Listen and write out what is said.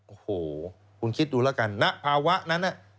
โอ้โหคุณคิดดูแล้วกันณภาวะนั้น